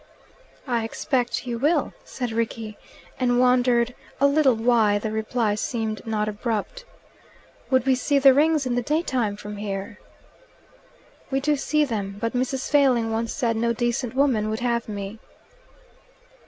"I expect you will," said Rickie, and wondered a little why the reply seemed not abrupt. "Would we see the Rings in the daytime from here?" "(We do see them.) But Mrs. Failing once said no decent woman would have me."